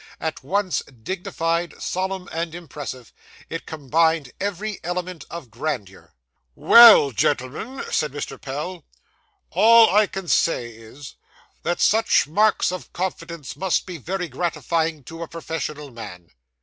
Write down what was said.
At once dignified, solemn, and impressive, it combined every element of grandeur. 'Well, gentlemen,' said Mr. Pell, 'all I can say is, that such marks of confidence must be very gratifying to a professional man.